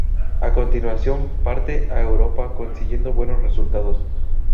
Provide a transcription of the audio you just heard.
A continuación parte a Europa, consiguiendo buenos resultados.